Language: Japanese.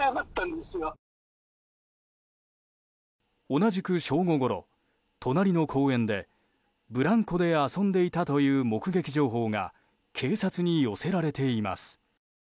同じく正午ごろ隣の公園でブランコで遊んでいたという目撃情報が警察に寄せられています。